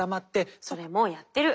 それもうやってる。